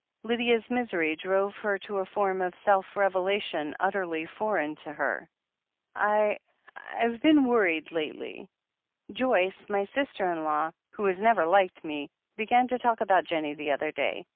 Lydia's misery drove her to a form of self revelation utterly foreign to her. "I — I've been worried lately. Joyce — ^my sister in law — ^who has never liked me — began to talk about Jennie the other day.